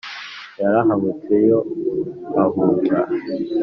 Yarahubutse yo ahunga